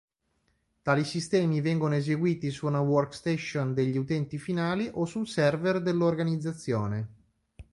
Tali sistemi vengono eseguiti su una workstation degli utenti finali o sul server dell'organizzazione.